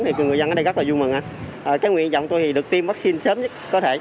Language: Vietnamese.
thì người dân ở đây rất là vui mừng cái nguyện vọng tôi thì được tiêm vaccine sớm nhất có thể